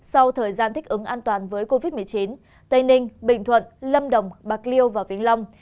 sau thời gian thích ứng an toàn với covid một mươi chín tây ninh bình thuận lâm đồng bạc liêu và vĩnh long